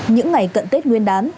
những ngày cận tết nguyên đán